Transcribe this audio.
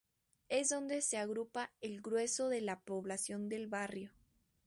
Es donde se agrupa el grueso de la población del barrio.